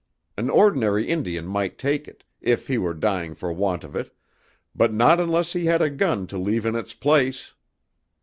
An ordinary Indian might take it, if he were dying for want of it, but not unless he had a gun to leave in its place!"